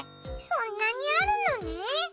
そんなにあるのね。